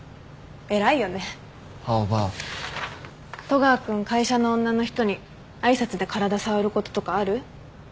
戸川君会社の女の人に挨拶で体触ることとかある？